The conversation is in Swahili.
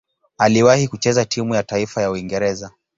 Aliwahi kucheza timu ya taifa ya Uingereza.